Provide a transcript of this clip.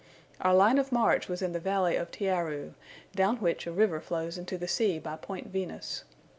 Our line of march was the valley of Tiaauru, down which a river flows into the sea by Point Venus.